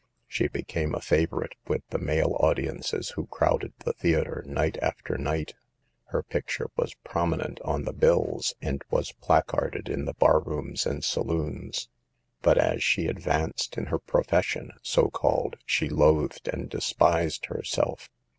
She became a favorite with the male audiences who crowded the theater night after night. Her picture was prominent on the bills and was placarded in the bar 24 SAVE THE GIRLS, rooms and saloons. But as she advanced in her "profession" so called, she loathed and despised herself.